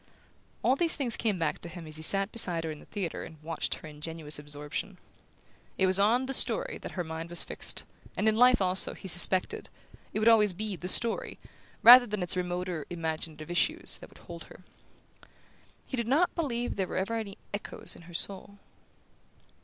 All these things came back to him as he sat beside her in the theatre and watched her ingenuous absorption. It was on "the story" that her mind was fixed, and in life also, he suspected, it would always be "the story", rather than its remoter imaginative issues, that would hold her. He did not believe there were ever any echoes in her soul...